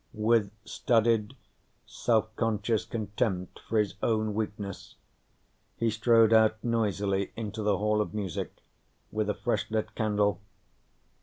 With studied, self conscious contempt for his own weakness, he strode out noisily into the Hall of Music with a fresh lit candle.